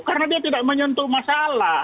karena dia tidak menyentuh masalah